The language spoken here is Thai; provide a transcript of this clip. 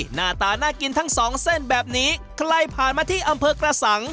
หน้าตาน่ากินทั้งสองเส้นแบบนี้ใครผ่านมาที่อำเภอกระสัง